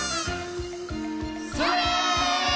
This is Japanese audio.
それ！